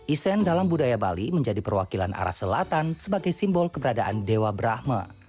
isen dalam budaya bali menjadi perwakilan arah selatan sebagai simbol keberadaan dewa brahma